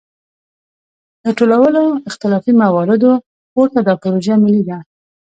له ټولو اختلافي مواردو پورته دا پروژه ملي ده.